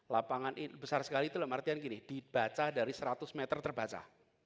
lapangan besar sekali itu dalam artian gini dibaca dari seratus meter terbaca